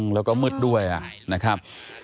แล้วก็มืดด้วยนะครับ